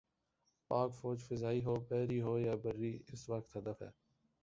پاک فوج فضائی ہو، بحری ہو یا بری، اس وقت ہدف ہے۔